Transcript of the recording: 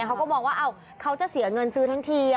เขาก็มองว่าเขาจะเสียเงินซื้อทั้งที